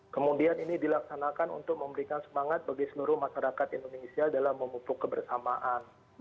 kemudian ini dilaksanakan untuk memberikan semangat bagi seluruh masyarakat indonesia dalam memupuk kebersamaan